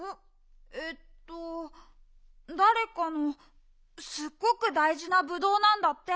えっとだれかのすっごくだいじなぶどうなんだって。